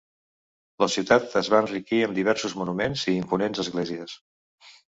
La ciutat es va enriquir amb diversos monuments i imponents esglésies.